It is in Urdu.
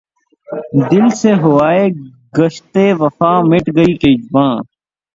دل سے ہواے کشتِ وفا مٹ گئی کہ واں